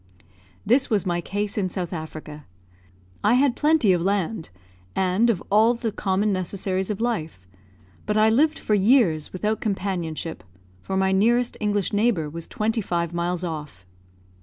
This was my case in South Africa. I had plenty of land, and of all the common necessaries of life; but I lived for years without companionship, for my nearest English neighbour was twenty five miles off.